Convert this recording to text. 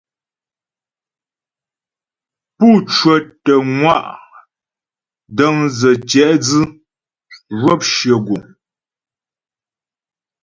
Pú cwətə ŋwa' dəndzə̀ tyɛ̌'dzʉ zhwɔp shyə guŋ.